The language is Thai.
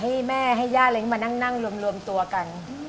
ให้แม่ให้ญาติอะไรอย่างนี้มานั่งรวมตัวกัน